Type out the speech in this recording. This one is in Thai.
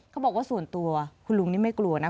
เขาบอกว่าส่วนตัวคุณลุงนี่ไม่กลัวนะ